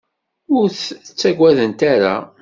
Ur t-ttagadent ara.